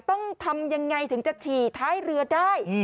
ต้องทำยังไงถึงจะฉี่ท้ายเรือได้